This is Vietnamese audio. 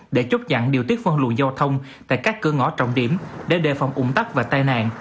để chấp nhận điều tiết phân lùi giao thông tại các cửa ngõ trọng điểm để đề phòng ủng tắc và tai nạn